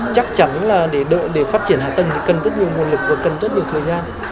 chắc chắn là để phát triển hạ tầng thì cần rất nhiều nguồn lực và cần rất nhiều thời gian